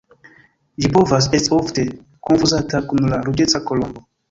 Ĝi povas esti ofte konfuzata kun la Ruĝeca kolombo.